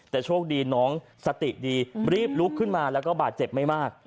แต่โชคดีน้องสติดีรีบลุกขึ้นมาแล้วก็บาดเจ็บไม่มาก